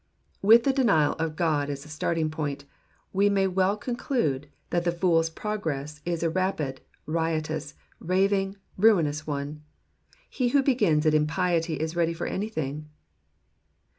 With the denial of God as a starting point, we may well conclude that the fool's progress is a rapid, riotous, raving, ruinous one. He who begins at impiety is ready for anythmg.